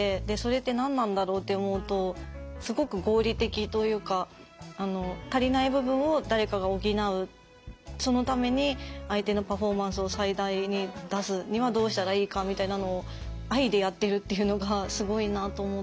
でそれって何なんだろうって思うとすごく合理的というか足りない部分を誰かが補うそのために相手のパフォーマンスを最大に出すにはどうしたらいいかみたいなのを何だろう